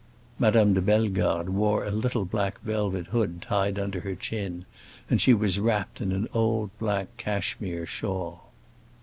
Madame de Bellegarde wore a little black velvet hood tied under her chin, and she was wrapped in an old black cashmere shawl.